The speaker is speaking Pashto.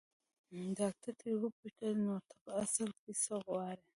ډاکټر ترې وپوښتل نو ته په اصل کې څه غواړې.